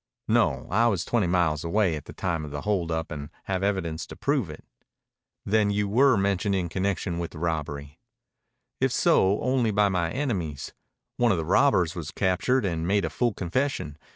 "No. I was twenty miles away at the time of the hold up and had evidence to prove it." "Then you were mentioned in connection with the robbery?" "If so, only by my enemies. One of the robbers was captured and made a full confession.